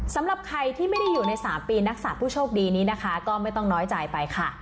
สำหรับใครที่ไม่ได้อยู่ใน๓ปีนักศาสผู้โชคดีนี้นะคะก็ไม่ต้องน้อยใจไปค่ะ